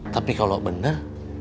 tapi kalau benar